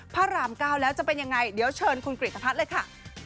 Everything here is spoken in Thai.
พระราม๙แล้วจะเป็นยังไงเดี๋ยวเชิญคุณกริตภัทรเลยค่ะ